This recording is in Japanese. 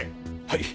はい。